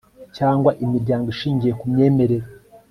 cyangwa imiryango ishingiye ku myemerere